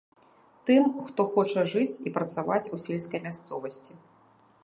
Тым, хто хоча жыць і працаваць у сельскай мясцовасці.